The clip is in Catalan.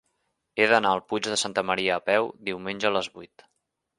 He d'anar al Puig de Santa Maria a peu diumenge a les vuit.